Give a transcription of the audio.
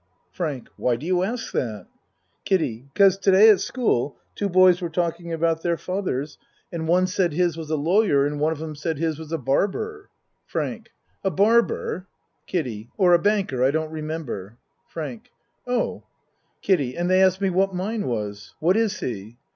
FRANK Why do you ask that? KIDDIE 'Cause to day at school two boys were talking about their fathers and one said his was a 77 ;8 A MAN'S WORLD lawyer and one of 'em said his was a barber. FRANK A barber? KIDDIE Or a banker I don't remember. FRANK Oh ! KIDDIE And they asked me what mine was. What is he?